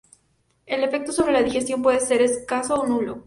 El efecto sobre la digestión puede ser escaso o nulo.